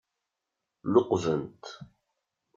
Luqben-t.